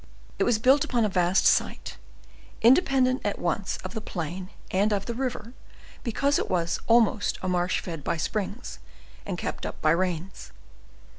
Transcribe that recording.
It was built upon a vast site, independent at once of the plain and of the river, because it was almost a marsh fed by springs and kept up by rains.